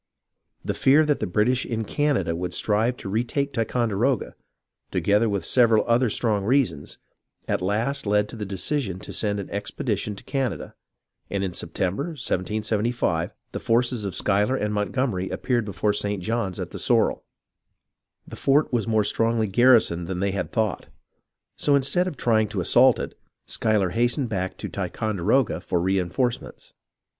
The fear that the British in Canada would strive to y8 HISTORY OF THE AMERICAN REVOLUTION retake Ticonderoga, together with several other strong reasons, at last led to the decision to send an expedition into Canada, and in September, 1775, the forces of Schuy ler and Montgomery appeared before St. John's at the Sorel. The fort was more strongly garrisoned than they had thought ; so instead of tr}'ing to assault it, Schuyler has tened back to Ticonderoga for reenforcements.